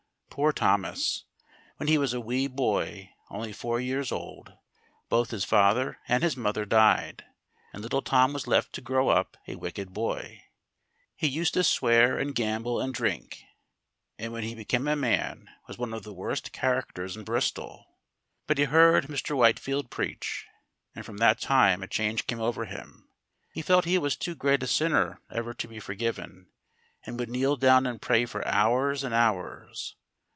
Poor Thomas, when he was a wee boy, only four years old, both his father and his mother died, and little Tom was left to grow up a wicked boy. He used to swear and gamble and drink, and when he became a man was one of the worst characters in Bristol. But he heard Mr. Whitefield preach, and from that time a change came over him. He felt he was too great a sinner ever to be forgiven, and would kneel down and pray for hours and hours.